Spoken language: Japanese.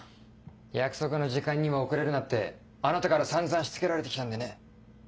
約束の時間には遅れるなってあなたから散々しつけられてきたんでね。